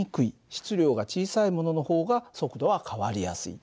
質量が小さいものの方が速度は変わりやすい。